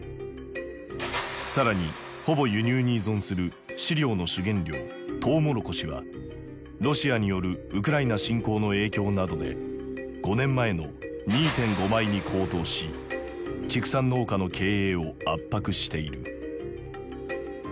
さらにほぼ輸入に依存する飼料の主原料トウモロコシはロシアによるウクライナ侵攻の影響などで５年前の２．５倍に高騰し畜産農家の経営を圧迫している。